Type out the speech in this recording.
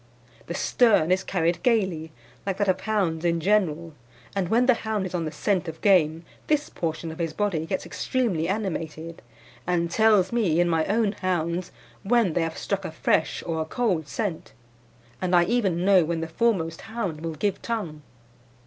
"The stern is carried gaily, like that of hounds in general, and when the hound is on the scent of game this portion of his body gets extremely animated, and tells me, in my own hounds, when they have struck a fresh or a cold scent, and I even know when the foremost hound will give tongue.